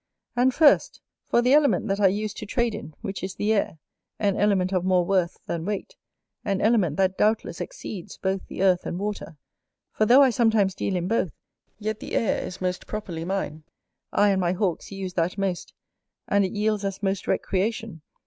And first, for the Element that I use to trade in, which is the Air, an element of more worth than weight, an element that doubtless exceeds both the Earth and Water; for though I sometimes deal in both, yet the air is most properly mine, I and my Hawks use that most, and it yields us most recreation.